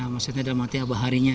maksudnya dalam arti abaharinya